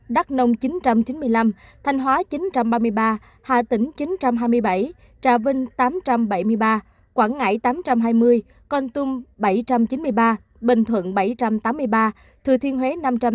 đắk nông một chín trăm chín mươi năm thanh hóa một chín trăm ba mươi ba hà tĩnh một chín trăm hai mươi bảy trà vinh một tám trăm bảy mươi ba quảng ngãi một tám trăm hai mươi con tum một bảy trăm chín mươi ba bình thuận một bảy trăm tám mươi ba thừa thiên huế một năm trăm linh năm